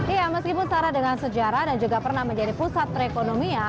ya meskipun setara dengan sejarah dan juga pernah menjadi pusat perekonomian